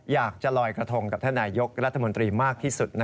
อยากจะลอยกระทงกับท่านนายยกรัฐมนตรีมากที่สุด